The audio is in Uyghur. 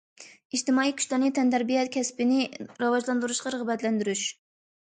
ئىجتىمائىي كۈچلەرنى تەنتەربىيە كەسپىنى راۋاجلاندۇرۇشقا رىغبەتلەندۈرۈش.